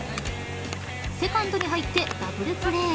［セカンドに入ってダブルプレー］